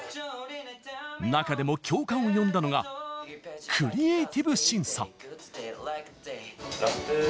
中でも共感を呼んだのがクリエイティブ審査。